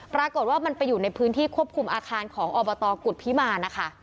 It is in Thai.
ปรากฏว่ามันไปอยู่ในพื้นที่ควบคุมอาคารของอบตกุฎพิมารนะคะ